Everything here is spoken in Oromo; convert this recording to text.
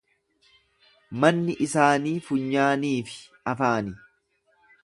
Manni isaanii funyaanii fi afaani.